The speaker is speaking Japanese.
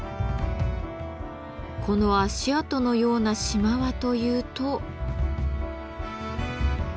この足跡のような島はというと。